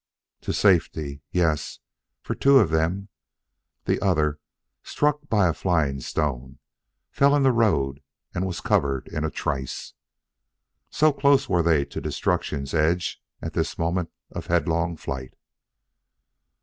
To safety? Yes, for two of them; the other, struck by a flying stone, fell in the road and was covered in a trice. So close were they to destruction's edge at this moment of headlong flight.